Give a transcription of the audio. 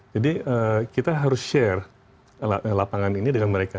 jadi kita harus share lapangan ini dengan mereka